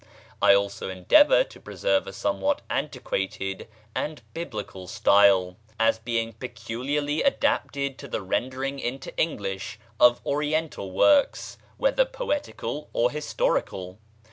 I also endeavour to preserve a somewhat antiquated and Biblical style, as being peculiarly adapted to the rendering into English of Oriental works, whether poetical or historical.